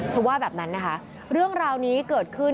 ว่าแบบนั้นนะคะเรื่องราวนี้เกิดขึ้น